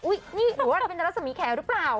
อุ๊ยนี่หรือว่าเป็นรสมีแขวรึเปล่า